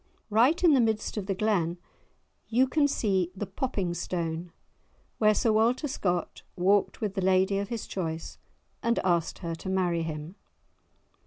Right in the midst of the glen you can see the "Popping stone" where Sir Walter Scott walked with the lady of his choice and asked her to marry him.